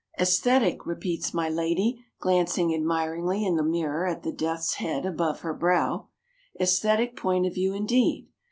"Esthetic," repeats my lady, glancing admiringly in the mirror at the death's head above her brow, "esthetic point of view, indeed!